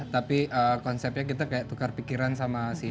tapi konsepnya kita kayak tukar pikiran sama si